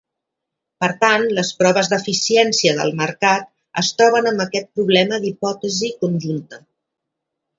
Per tant, les proves d'eficiència del mercat es troben amb aquest problema d'hipòtesi conjunta.